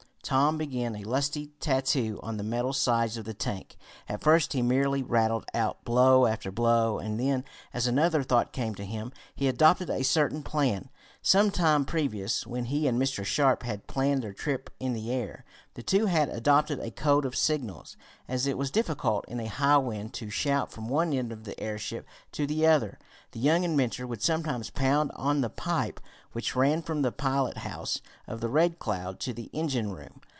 Tom began a lusty tattoo on the metal sides of the tank. At first he merely rattled out blow after blow, and then, as another thought came to him, he adopted a certain plan. Some time previous, when he and Mr. Sharp had planned their trip in the air, the two had adopted a code of signals. As it was difficult in a high wind to shout from one end of the airship to the other, the young inventor would sometimes pound on the pipe which ran from the pilot house of the Red Cloud to the engine room.